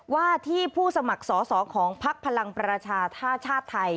ว่าที่ผู้สมัครสอสอของพักพลังประชาชาติไทย